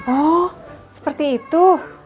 oh seperti itu